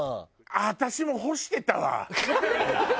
私も干してたわ。